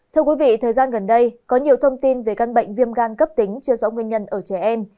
thưa quý vị thời gian gần đây có nhiều thông tin về căn bệnh viêm gan cấp tính chưa rõ nguyên nhân ở trẻ em